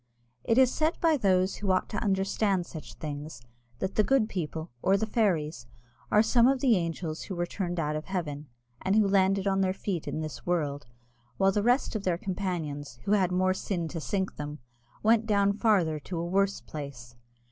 It is said by those who ought to understand such things, that the good people, or the fairies, are some of the angels who were turned out of heaven, and who landed on their feet in this world, while the rest of their companions, who had more sin to sink them, went down farther to a worse place.